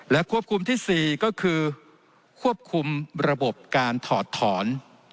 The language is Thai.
และควบคุมที่๔ก็คือควบคุมระบบการถอดถอน